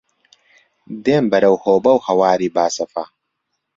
دێم بەرەو هۆبە و هەواری باسەفا